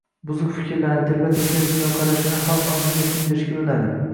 buzuq fikrlarini, telba-teskari dunyoqarashini xalq ongiga singdirishga urinadi.